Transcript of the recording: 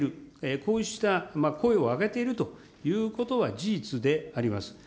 こうした声を上げているということは事実であります。